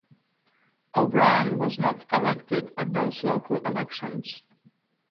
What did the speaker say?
O'Brien was not elected at those local elections.